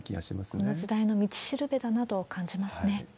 この時代の道しるべだなと感じますね。